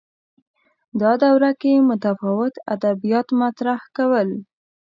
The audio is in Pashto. دا دوره کې متفاوت ادبیات مطرح کول